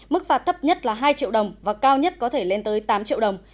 mức phạt thấp nhất là hai triệu đồng và cao nhất có thể lên tới tám triệu đồng